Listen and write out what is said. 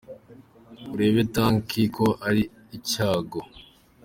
Urebe tanki ko ari icyago